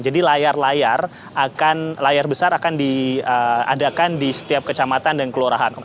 jadi layar layar akan layar besar akan diadakan di setiap kecamatan dan kelurahan